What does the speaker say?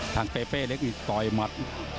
ทางเปเปเล็กต่อยมัด